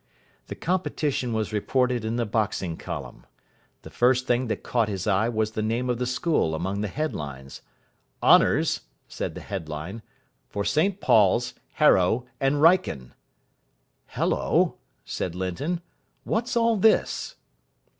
The competition was reported in the Boxing column. The first thing that caught his eye was the name of the school among the headlines. "Honours", said the headline, "for St Paul's, Harrow, and Wrykyn". "Hullo," said Linton, "what's all this?"